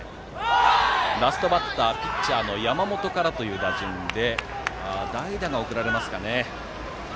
ラストバッターピッチャーの山本からですが代打が送られますかね。